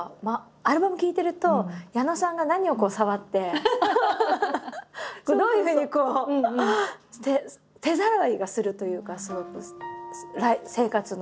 アルバム聴いてると矢野さんが何を触ってどういうふうにこうすごく生活の。